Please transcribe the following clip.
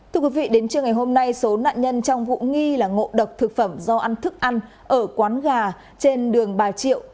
thưa quý vị đến trưa ngày hôm nay số nạn nhân trong vụ nghi là ngộ độc thực phẩm do ăn thức ăn ở quán gà trên đường bà triệu